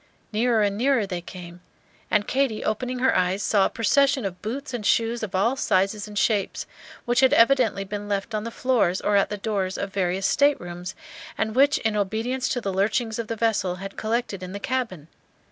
Nearer and nearer they came; and Katy opening her eyes saw a procession of boots and shoes of all sizes and shapes, which had evidently been left on the floors or at the doors of various staterooms, and which in obedience to the lurchings of the vessel had collected in the cabin.